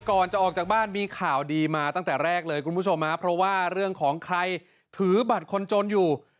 ก่อนจะออกจากบ้านมีข่าวดีมาตั้งแต่แรกเลยคุณผู้ชมฮะเพราะว่าเรื่องของใครถือบัตรคนจนอยู่